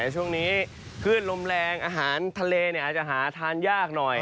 ช่วงนี้คลื่นลมแรงอาหารทะเลอาจจะหาทานยากหน่อย